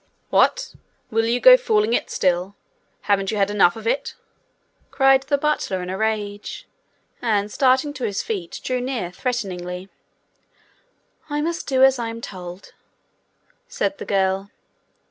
'What! Will you go fooling it still? Haven't you had enough of it?' cried the butler in a rage, and starting to his feet, drew near threateningly. 'I must do as I am told,' said the girl.